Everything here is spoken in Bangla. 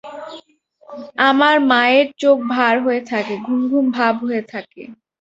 আমার মায়ের চোখ ভার হয়ে থাকে, ঘুম ঘুম ভাব হয়ে থাকে।